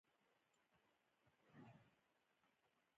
ژورې سرچینې د افغانستان په ستراتیژیک اهمیت کې پوره رول لري.